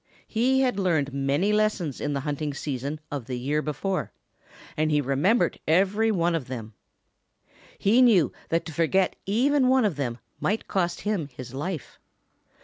He had learned many lessons in the hunting season of the year before and he remembered every one of them. He knew that to forget even one of them might cost him his life.